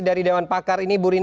dari dewan pakar ini